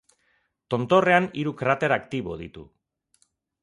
Tontorrean hiru krater aktibo ditu.